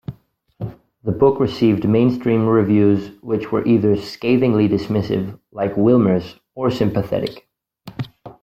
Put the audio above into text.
The book received mainstream reviews which were either scathingly dismissive, like Wilmers, or sympathetic.